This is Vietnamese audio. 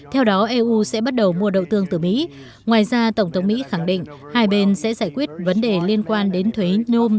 theo đó eu sẽ bắt đầu mua đậu tương từ mỹ ngoài ra tổng thống mỹ khẳng định hai bên sẽ giải quyết vấn đề liên quan đến thuế nhôm